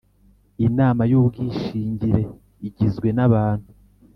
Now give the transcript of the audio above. Inama y ubwishingire igizwe n abantu